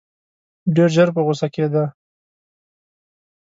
ډېر ژر په غوسه کېدی.